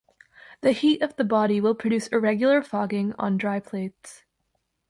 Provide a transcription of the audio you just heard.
The heat of the body will produce irregular fogging on dry plates.